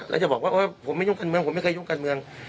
แล้วจะบอกว่าผมไม่ยุ่งการเมืองผมไม่เคยยุ่งการเมือง